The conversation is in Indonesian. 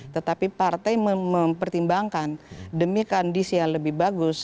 tetapi partai mempertimbangkan demi kondisi yang lebih bagus